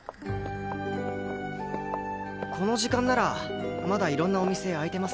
この時間ならまだいろんなお店開いてますね。